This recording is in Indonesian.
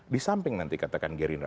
di samping nanti katakan gerindra